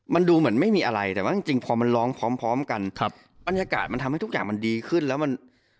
มันดูเหมือนไม่มีอะไรแต่ว่าจริงจริงพอมันร้องพร้อมพร้อมกันครับบรรยากาศมันทำให้ทุกอย่างมันดีขึ้นแล้วมัน